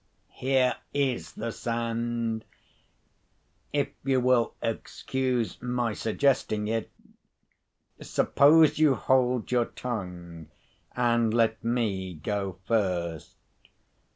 Here is the sand. If you will excuse my suggesting it—suppose you hold your tongue, and let me go first?"